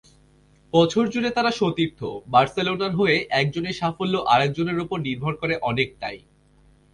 বছরজুড়ে তাঁরা সতীর্থ, বার্সেলোনার হয়ে একজনের সাফল্য আরেকজনের ওপর নির্ভর করে অনেকটাই।